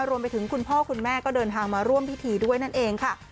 คุณพ่อคุณแม่ก็เดินทางมาร่วมพิธีด้วยนั่นเองค่ะ